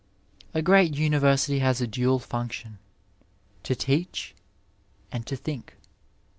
II A great university has a dual function, to teach and to think.